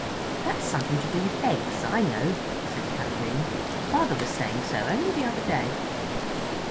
"That's something to do with eggs, I know," said Kathleen. "Father was saying so only the other day."